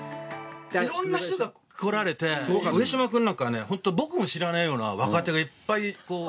いろんな人が来られて、上島君なんかね、本当、僕も知らないような若手がいっぱい。